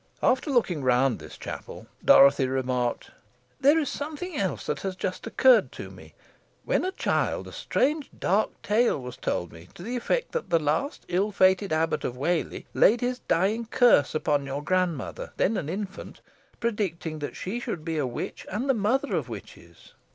After looking round this chapel, Dorothy remarked, "There is something else that has just occurred to me. When a child, a strange dark tale was told me, to the effect that the last ill fated Abbot of Whalley laid his dying curse upon your grandmother, then an infant, predicting that she should be a witch, and the mother of witches."